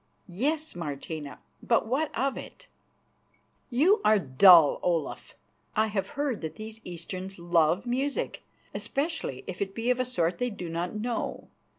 "Yes, Martina; but what of it?" "You are dull, Olaf. I have heard that these Easterns love music, especially if it be of a sort they do not know.